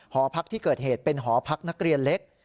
หอพักที่เกิดเหตุเป็นหอพักนักเรียนเล็ก